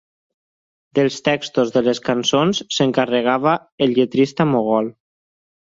Dels textos de les cançons s'encarregava el lletrista Mogol.